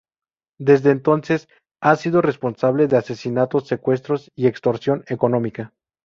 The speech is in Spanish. Desde entonces, han sido responsables de asesinatos, secuestros y extorsión económica.